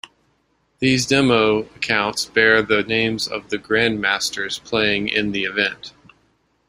These demo accounts bear the names of the grandmasters playing in the event.